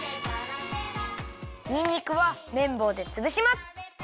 にんにくはめんぼうでつぶします。